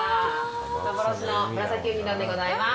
幻のムラサキウニ丼でございます。